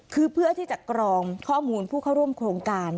คือเพื่อที่จะกรองข้อมูลผู้เข้าร่วมโครงการ